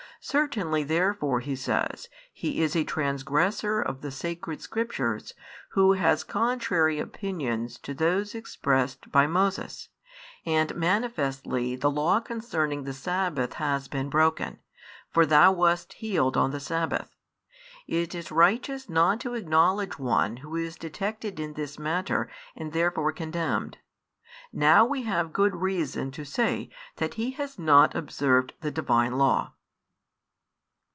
Certainly therefore, he says, he is a transgressor of the sacred Scriptures, who has contrary opinions to those expressed by Moses: and manifestly the law concerning the sabbath has been broken, for thou wast healed on the sabbath: it is righteous not to acknowledge one who is detected in this matter and therefore condemned. Now we have good reason to say that He has not observed the Divine law."